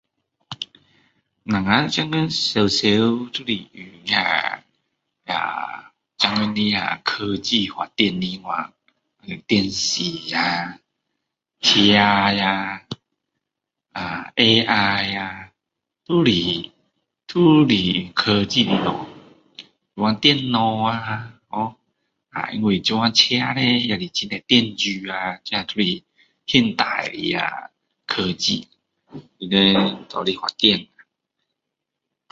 我们现在常常就是用那那现在的科技发展的那样电视啊车呀啊AI啊那都是都是科技的东西现在电脑啊ho啊因为现在车叻也是很多电子啊这都是现代的那科技他们拿来发展